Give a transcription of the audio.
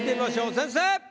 先生！